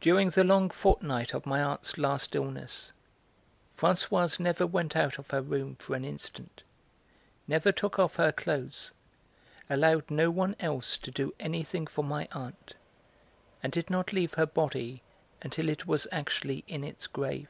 During the long fortnight of my aunt's last illness Françoise never went out of her room for an instant, never took off her clothes, allowed no one else to do anything for my aunt, and did not leave her body until it was actually in its grave.